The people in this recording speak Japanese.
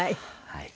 はい。